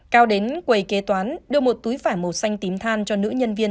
cao đến quầy kế toán đưa một túi vải màu xanh tím than cho nữ nhân viên